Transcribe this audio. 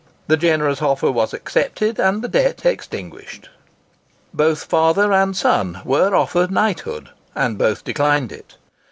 The generous offer was accepted, and the debt extinguished. Both father and son were offered knighthood, and both declined it.